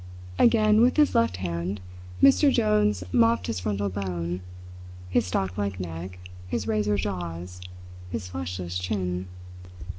Again, with his left hand, Mr. Jones mopped his frontal bone, his stalk like neck, his razor jaws, his fleshless chin.